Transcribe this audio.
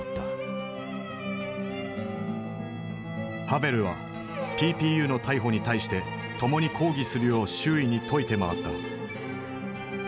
ハヴェルはＰＰＵの逮捕に対して共に抗議するよう周囲に説いて回った。